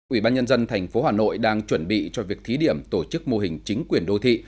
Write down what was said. ủy ban nhân dân tp hà nội đang chuẩn bị cho việc thí điểm tổ chức mô hình chính quyền đô thị